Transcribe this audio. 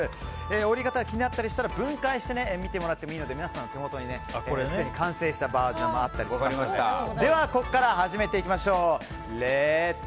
折り方、気になったりしたら分解して見てもらってもいいので皆さん、手元にすでに完成したバージョンがありますのでではここから始めていきましょう。